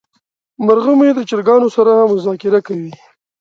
مرغه مې د چرګانو سره مذاکره کوي.